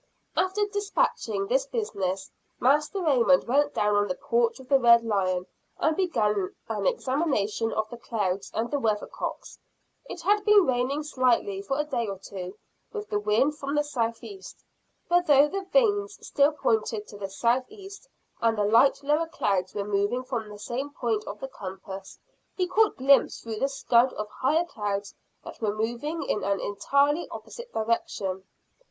After dispatching this business, Master Raymond went out on the porch of the Red Lion, and began an examination of the clouds and the weather cocks. It had been raining slightly for a day or two, with the wind from the southeast; but though the vanes still pointed to the southeast, and the light lower clouds were moving from the same point of the compass, he caught glimpses through the scud of higher clouds that were moving in an entirely opposite direction.